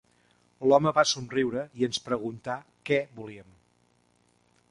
L'home va somriure i ens preguntà què volíem.